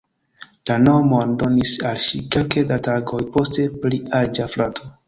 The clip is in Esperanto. La nomon donis al ŝi kelke da tagoj poste pli aĝa frato.